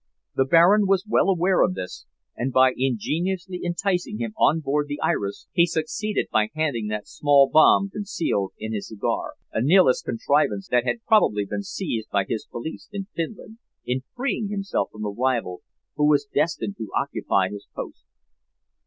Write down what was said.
The Baron was well aware of this, and by ingeniously enticing him on board the Iris he succeeded by handing that small bomb concealed in a cigar a Nihilist contrivance that had probably been seized by his police in Finland in freeing himself from the rival who was destined to occupy his post."